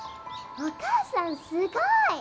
お母さん、すごい！